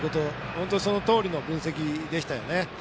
本当にそのとおりの分析でしたよね。